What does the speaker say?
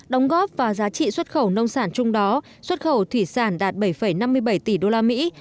đóng góp vào giá trị xuất khẩu nông sản chung đó xuất khẩu thủy sản đạt bảy năm mươi bảy tỷ đô la mỹ